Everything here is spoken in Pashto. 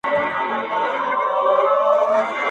غربت مي شپې يوازي کړيدي تنها يمه زه.